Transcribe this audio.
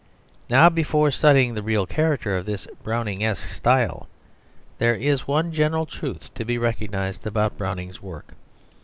Now before studying the real character of this Browningesque style, there is one general truth to be recognised about Browning's work.